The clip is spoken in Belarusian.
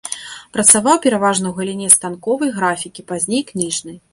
Працаваў пераважна ў галіне станковай графікі, пазней кніжнай.